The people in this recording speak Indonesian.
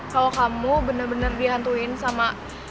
kalau kamu bener bener dihantuin sama